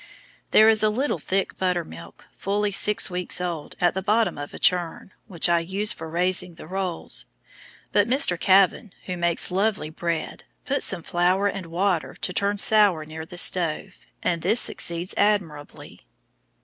There is a little thick buttermilk, fully six weeks old, at the bottom of a churn, which I use for raising the rolls; but Mr. Kavan, who makes "lovely" bread, puts some flour and water to turn sour near the stove, and this succeeds admirably.